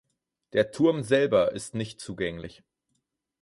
Der Turm selber ist nicht zugänglich.